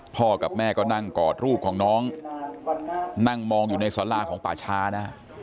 กับแม่ก็นั่งกอดรูปของน้องนั่งมองอยู่ในสาราของป่าช้านะฮะ